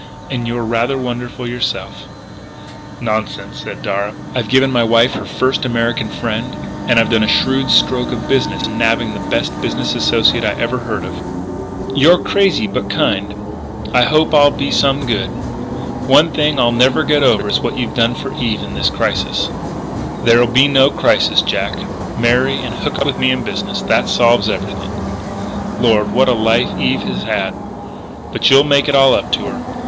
And you're rather wonderful yourself " "Nonsense," said Darragh, "I've given my wife her first American friend and I've done a shrewd stroke of business in nabbing the best business associate I ever heard of " "You're crazy but kind.... I hope I'll be some good.... One thing; I'll never get over what you've done for Eve in this crisis " "There'll be no crisis, Jack. Marry, and hook up with me in business. That solves everything.... Lord! what a life Eve has had! But you'll make it all up to her